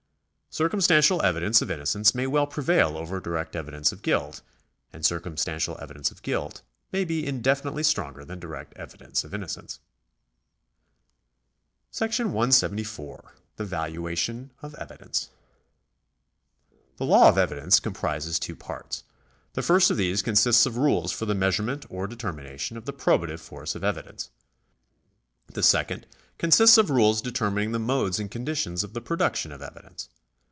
Circumstantial evidence of innocence may well prevail over direct evidence of guilt ; and circumstantial evidence of guilt may be indefinitely stronger than direct evidence of innocence. 444 THE LAW OF PROCEDURE [§ 174 § 174. The Valuation of Evidence. The law of evidence comprises two parts. The first of these consists of rules for the measurement or determination of the probative force of evidence. The second consists of rules determining the modes and conditions of the production of evidence.